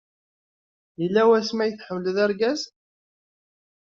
Yella wasmi ay tḥemmleḍ argaz?